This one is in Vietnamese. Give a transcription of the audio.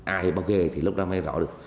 ai bảo kê thì lúc đó mới rõ được